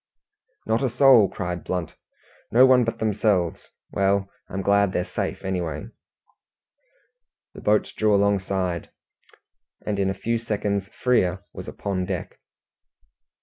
"Not a soul!" cried Blunt. "No one but themselves. Well, I'm glad they're safe anyway." The boats drew alongside, and in a few seconds Frere was upon deck.